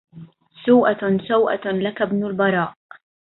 سوءة سوءة لك ابن البراء